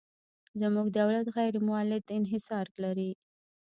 زموږ دولت غیر مولد انحصار لري.